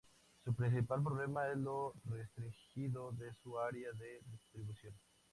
Su principal problema es lo restringido de su área de distribución.